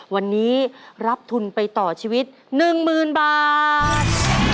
วันนี้รับทุนไปต่อชีวิต๑๐๐๐บาท